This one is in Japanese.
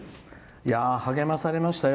励まされましたよ。